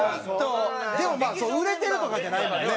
でもまあ売れてるとかじゃないもんね。